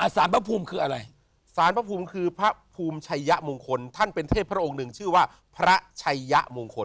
สารพระภูมิคืออะไรสารพระภูมิคือพระภูมิชัยยะมงคลท่านเป็นเทพพระองค์หนึ่งชื่อว่าพระชัยยะมงคล